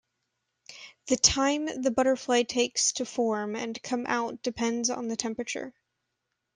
The time the butterfly takes to form and come out depends on the temperature.